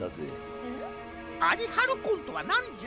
アリハルコンとはなんじゃ？